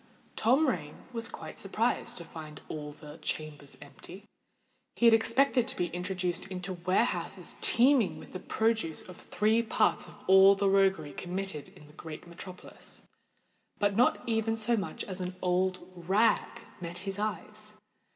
Tom Rain was quite surprised to find all the chambers empty. He had expected to be introduced into warehouses teeming with the produce of three parts of all the roguery committed in the great metropolis: but not even so much as an old rag met his eyes.